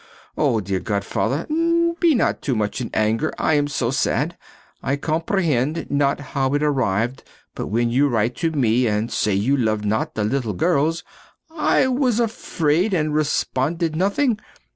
Oh dear godfather, be not too much in anger! I am so sad! I comprehend not how it arrived, but when you write to me and say you love not the little girls I was afraid and responded nothing.